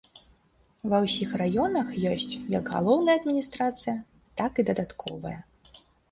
Ва ўсіх раёнах ёсць як галоўная адміністрацыя, так і дадатковая.